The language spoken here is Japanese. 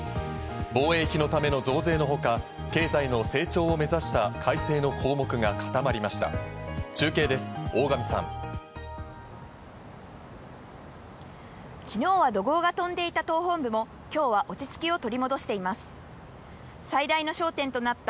防衛費のための増税のほか、経済の成長を目指した改正の項目が固まりました。